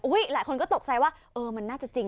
หลายคนก็ตกใจว่าเออมันน่าจะจริง